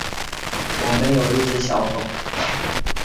我们有一只小狗